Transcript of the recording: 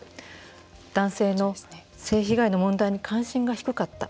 男性の性被害の問題関心が低かった。